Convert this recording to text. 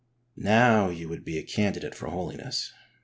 Now you would be a candidate for holiness.